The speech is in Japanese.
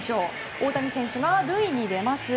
大谷選手が塁に出ます。